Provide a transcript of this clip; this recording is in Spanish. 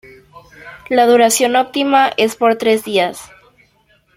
La duración óptima es por tres días.